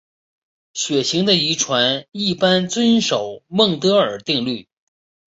血型的遗传一般遵守孟德尔定律。